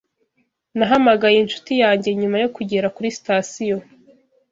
Nahamagaye inshuti yanjye nyuma yo kugera kuri sitasiyo.